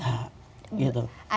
ada paslon yang terkait